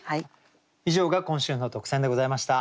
以上が今週の特選でございました。